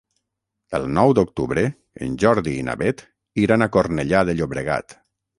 El nou d'octubre en Jordi i na Beth iran a Cornellà de Llobregat.